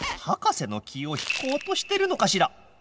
博士の気を引こうとしてるのかしら。